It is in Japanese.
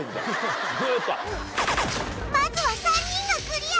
まずは３人がクリア。